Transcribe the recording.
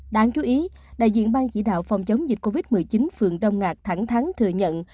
đáng chú ý đại diện bang chỉ đạo phòng chống dịch covid một mươi chín phường đông ngạc thẳng thắng thừa nhận